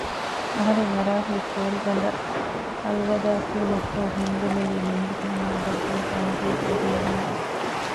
އަހަރެން އަރާހުރި ފޯރިގަނޑަށް އަލްވަދާއު ކިޔުމަށްފަހު ހިންދެމިލީ މެންދުރު ނަމާދަށް ގޮވި ބަންގީގެ އަޑު އިވުމުން